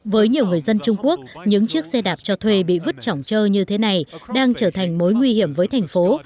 với nhiều người dân trung quốc những chiếc xe đạp cho thuê bị vứt trỏng trơ như thế này đang trở thành mối nguy hiểm với thành phố